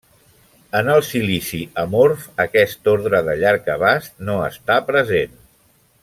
En el silici amorf aquest ordre de llarg abast no està present.